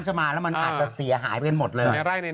จะมาแล้วมันอาจจะเสียหายไปหมดเลย